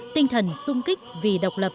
tinh thần sung kích vì đồng hành